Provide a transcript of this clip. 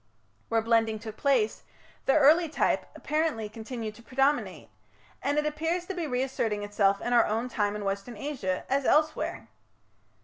Where blending took place, the early type, apparently, continued to predominate; and it appears to be reasserting itself in our own time in Western Asia, as elsewhere.